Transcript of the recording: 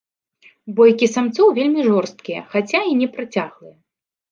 Бойкі самцоў вельмі жорсткія, хаця і не працяглыя.